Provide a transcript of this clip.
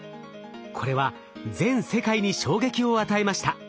これは全世界に衝撃を与えました。